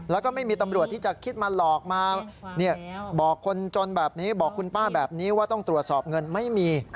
แล้วก็ไม่มีตำรวจที่จะคิดมาหลอกมาบอกคนจนแบบนี้บอกคุณป้าแบบนี้ว่าต้องตรวจสอบเงินไม่มี